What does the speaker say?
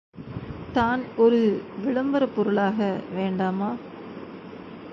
தான் ஒரு விளம்பரப்பொருளாக வேண்டாமா?